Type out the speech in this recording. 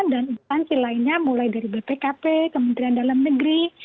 dan instansi lainnya mulai dari bpkp kementerian dalam negeri